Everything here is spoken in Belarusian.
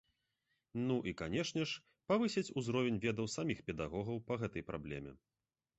Ну і, канечне ж, павысіць узровень ведаў саміх педагогаў па гэтай праблеме.